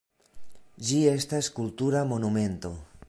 Ĝi estas kultura monumento.